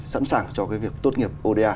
sẵn sàng cho cái việc tốt nghiệp oda